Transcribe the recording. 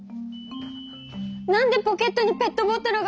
何でポケットにペットボトルが入ってるの？